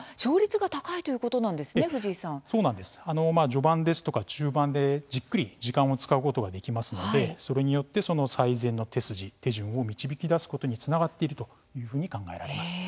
序盤ですとか中盤でじっくり時間を使うことができますのでそれによって最善の手筋、手順を導き出すことにつながっているというふうに考えられます。